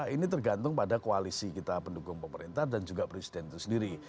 ini tergantung pada koalisi kita pendukung pemerintah dan juga presiden itu sendiri